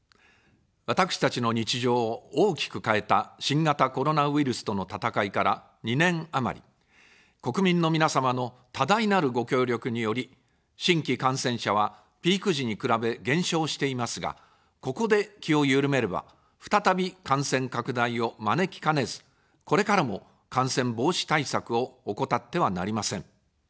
私たちの日常を大きく変えた新型コロナウイルスとの闘いから２年余り、国民の皆様の多大なるご協力により、新規感染者はピーク時に比べ減少していますが、ここで気を緩めれば、再び感染拡大を招きかねず、これからも感染防止対策を怠ってはなりません。